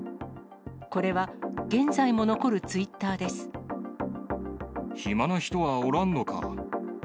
これは、現在も残るツイッターで暇な人はおらんのか。